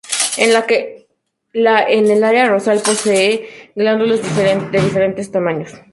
En la que la en área dorsal posee gránulos de diferentes tamaños.